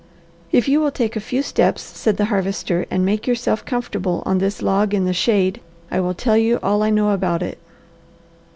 "If you will take a few steps," said the Harvester, "and make yourself comfortable on this log in the shade, I will tell you all I know about it."